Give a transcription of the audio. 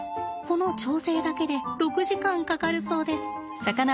この調整だけで６時間かかるそうです。